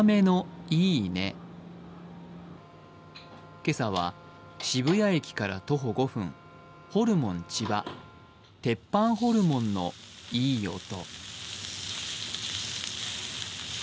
今朝は渋谷駅から徒歩５歩、ホルモン千葉。鉄板ホルモンのいい音。